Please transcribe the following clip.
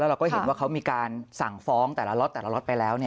เราก็เห็นว่าเขามีการสั่งฟ้องแต่ละล็อตแต่ละล็อตไปแล้ว